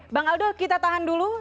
bang aldo kita tahan dulu